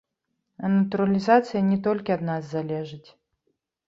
А натуралізацыя не толькі ад нас залежыць.